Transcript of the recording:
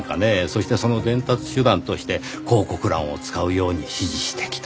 そしてその伝達手段として広告欄を使うように指示してきた。